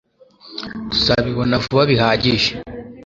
Tuzabibona vuba bihagije